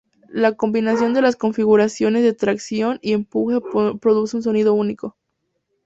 La combinación de las configuraciones de tracción y empuje produce un sonido único.